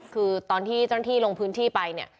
คือตอนที่เจ้าหน้าที่ลงพื้นที่ไปเนี่ย